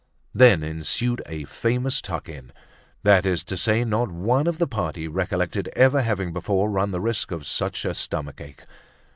Then ensued a famous tuck in; that is to say, not one of the party recollected ever having before run the risk of such a stomach ache.